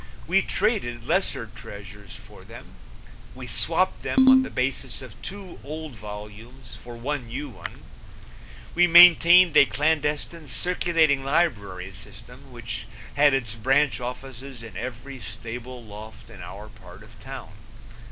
We traded lesser treasures for them; we swapped them on the basis of two old volumes for one new one; we maintained a clandestine circulating library system which had its branch offices in every stable loft in our part of town.